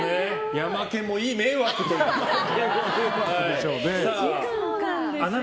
ヤマケンもいい迷惑というか。